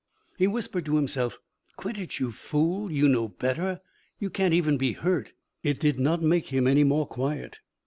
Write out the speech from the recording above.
He whispered to himself: "Quit it, you fool; you know better; you can't even be hurt." It did not make him any more quiet.